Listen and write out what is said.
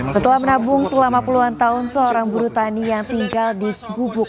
setelah menabung selama puluhan tahun seorang buru tani yang tinggal di gubuk